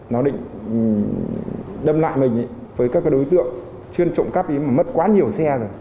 nó định đâm lại mình với các đối tượng chuyên trộm cắp ý mà mất quá nhiều xe rồi